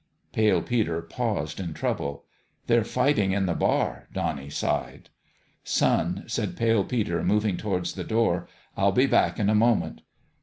Pale Peter paused in trouble. " They're fighting in the bar," Donnie sighed. " Son," said Pale Peter, moving towards the door, " I'll be back in a moment."